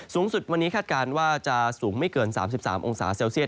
สูงสุดวันนี้คาดการณ์ว่าจะสูงไม่เกิน๓๓องศาเซลเซียต